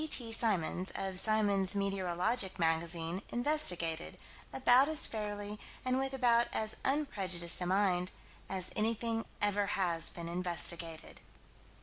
G.T. Symons, of Symons' Meteorological Magazine, investigated, about as fairly, and with about as unprejudiced a mind, as anything ever has been investigated.